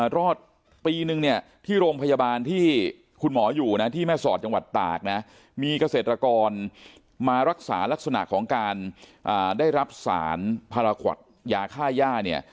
รอดปีนึงเนี่ยที่โรงพยาบาลที่คุณหมออยู่นะที่แม่สอดจังหวัดตากนะมีเกษตรกรมารักษาลักษณะของการได้รับสารพาราคอตยาค่าย่าเนี่ย